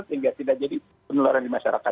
sehingga tidak jadi penularan di masyarakat